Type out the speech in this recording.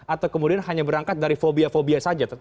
atau kemudian hanya berangkat dari fobia fobia saja